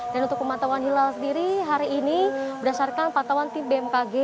dan untuk pemantauan hilal sendiri hari ini berdasarkan pantauan bmkg